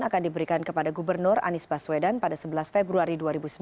akan diberikan kepada gubernur anies baswedan pada sebelas februari dua ribu sembilan belas